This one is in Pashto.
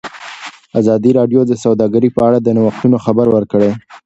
ازادي راډیو د سوداګري په اړه د نوښتونو خبر ورکړی.